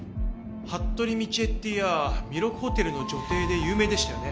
服部倫恵っていやあみろくホテルの女帝で有名でしたよね。